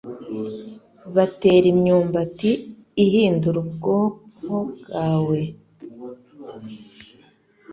Batera imyumbati ihindura ubwonko bwawe